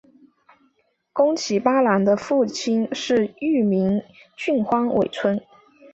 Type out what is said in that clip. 宫崎八郎的父亲是玉名郡荒尾村。